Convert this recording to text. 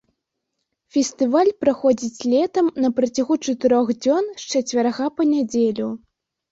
Фестываль праходзіць летам на працягу чатырох дзён з чацвярга па нядзелю.